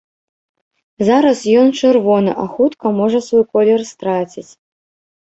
Зараз ён чырвоны, а хутка можа свой колер страціць.